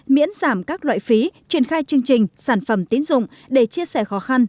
miễn giảm các loại phí triển khai chương trình sản phẩm tín dụng để chia sẻ khó khăn